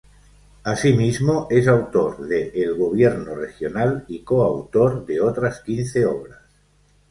Asimismo, es autor de "El gobierno regional" y coautor de otras quince obras.